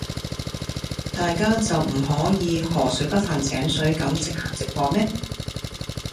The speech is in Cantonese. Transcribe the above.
大家就唔可以河水不犯井水咁直行直過咩?